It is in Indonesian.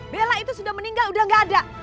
bella itu sudah meninggal udah gak ada